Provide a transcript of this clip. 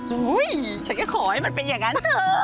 โอ้โฮฉันก็ขอให้มันเป็นอย่างนั้น